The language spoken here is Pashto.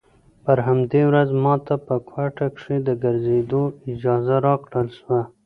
پر همدې ورځ ما ته په کوټه کښې د ګرځېدو اجازه راکړل سوه.